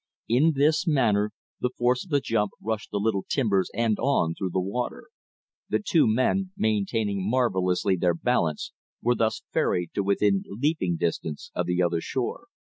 In this manner the force of the jump rushed the little timbers end on through the water. The two men, maintaining marvellously their balance, were thus ferried to within leaping distance of the other shore.